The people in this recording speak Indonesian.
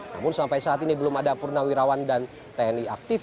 namun sampai saat ini belum ada purnawirawan dan tni aktif